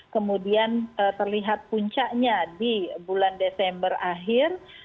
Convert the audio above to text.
kemudian terlihat puncaknya di bulan desember akhir